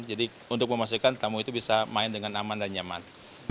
jadi untuk memastikan tamu itu bisa main dengan aman dan nyaman